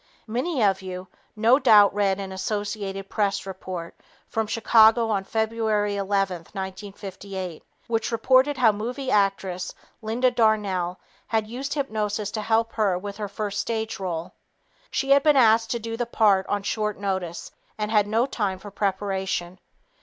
Many of you no doubt read an Associated Press report from Chicago on February 11, 1958, which reported how movie actress Linda Darnell had used hypnosis to help her with her first stage role. She had been asked to do the part on short notice and had no time for preparation.